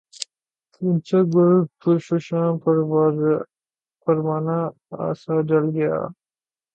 غنچۂ گل پرفشاں پروانہ آسا جل گیا